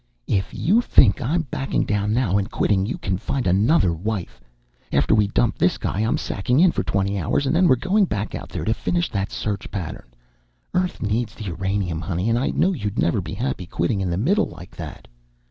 _ If you think I'm backing down now and quitting you can find yourself another wife! After we dump this guy I'm sacking in for twenty hours, and then we're going back out there to finish that search pattern. Earth needs uranium, honey, and I know you'd never be happy quitting in the middle like that."